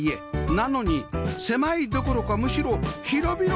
なのに狭いどころかむしろ広々感じるんだな